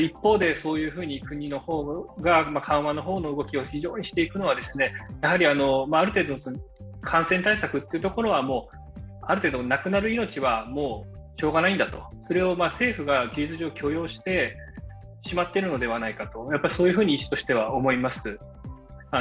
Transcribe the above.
一方で、国の方が緩和の動きを非常にしていくのはある程度感染対策というところはなくなるのはしようがないんだと、それを政府が事実上許容してしまっているのではないかと、そういうふうに医師としては思います。